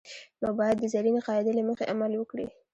نو باید د زرینې قاعدې له مخې عمل وکړي.